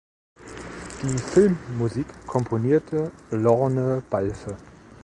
Die Filmmusik komponierte Lorne Balfe.